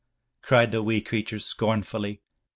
cried the wee creature scornfully.